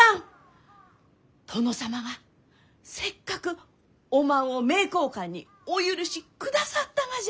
殿様がせっかくおまんを名教館にお許しくださったがじゃ！